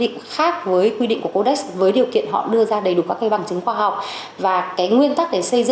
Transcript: bên cạnh quy định của codec để xây dựng danh mục cho phép sản phẩm được phép sử dụng acid benzoic